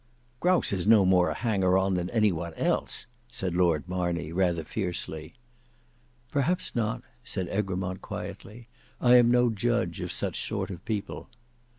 "Grouse is no more a hanger on than any one else," said Lord Marney, rather fiercely. "Perhaps not," said Egremont quietly; "I am no judge of such sort of people."